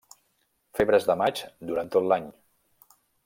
Febres de maig duren tot l'any.